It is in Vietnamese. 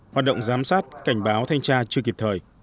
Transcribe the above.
hoạt động giám sát cảnh báo thanh tra chưa kịp thời